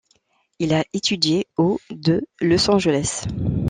Il a étudié au de Los Angeles.